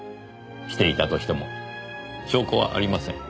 していたとしても証拠はありません。